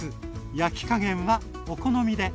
焼き加減はお好みで。